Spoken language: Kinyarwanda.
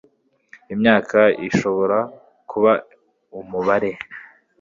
imyaka irashobora kuba umubare